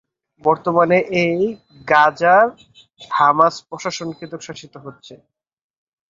বর্তমানে এটি গাজার হামাস প্রশাসন কর্তৃক শাসিত হচ্ছে।